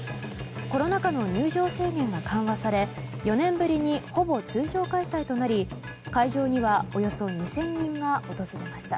コロナ禍の入場制限が緩和され４年ぶりにほぼ通常開催となり会場にはおよそ２０００人が訪れました。